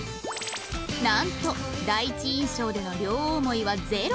なんと第一印象での両思いは０